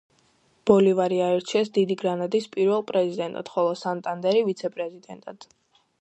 ბოლივარი აირჩიეს დიდი გრანადის პირველ პრეზიდენტად, ხოლო სანტანდერი ვიცე პრეზიდენტად.